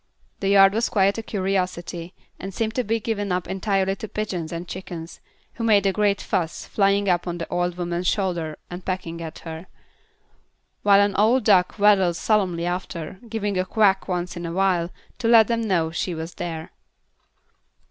The yard was quite a curiosity, and seemed to be given up entirely to pigeons and chickens, who made a great fuss, flying up on the old woman's shoulder and pecking at her; while an old duck waddled solemnly after, giving a quack once in a while to let them know she was there.